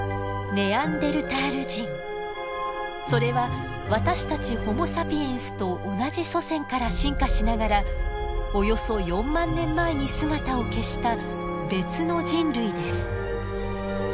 それは私たちホモ・サピエンスと同じ祖先から進化しながらおよそ４万年前に姿を消した別の人類です。